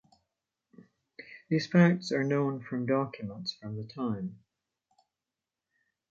These facts are known from documents from the time.